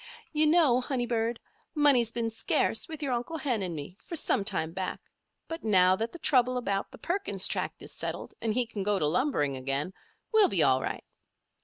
"You know, honey bird, money's been scarce with your Uncle Hen and me for some time back; but now that the trouble about the Perkins Tract is settled, and he can go to lumbering again, we'll be all right.